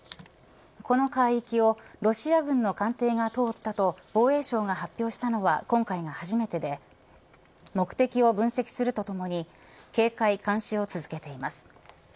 この海域をロシア軍の艦艇が通ったと防衛省が発表したのは今回が初めてで目的を分析するとともに警戒、監視を続けています。